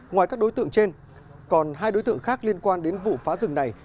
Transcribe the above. ngoài các đối tượng trên còn hai đối tượng khác liên quan đến vụ phá rừng này